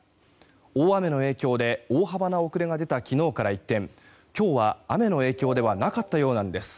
大雨の影響で大幅な遅れが出た昨日から一転今日は、雨の影響ではなかったようなんです。